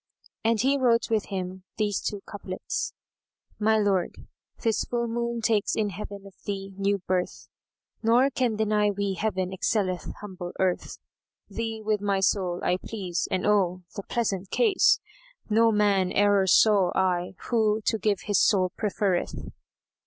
And he wrote with him these two couplets, "My lord, this full moon takes in Heaven of thee new birth; * Nor can deny we Heaven excelleth humble earth: Thee with my soul I please and—oh! the pleasant case! * No man e'er saw I who to give his soul prefer'th."